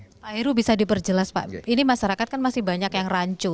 pak heru bisa diperjelas pak ini masyarakat kan masih banyak yang rancu